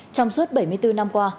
trong suốt bảy mươi bốn năm qua